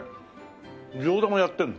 餃子もやってんの？